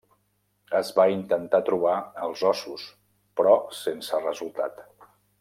Es va intentar trobar els ossos però sense resultat.